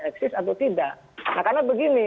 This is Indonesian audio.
eksis atau tidak nah karena begini